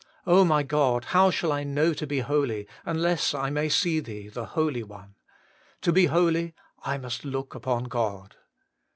O my God ! how shall I know to be holy, unless I may see Thee, the Holy One ? To be holy, I must look upon God.